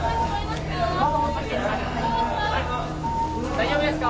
大丈夫ですか？